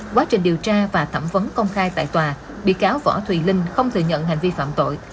quá trình điều tra và thẩm vấn công khai tại tòa bị cáo võ thùy linh không thừa nhận hành vi phạm tội